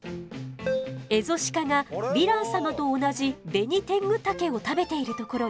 エゾシカがヴィラン様と同じベニテングタケを食べているところよ。